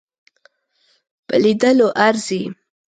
په لیدلو ارزي.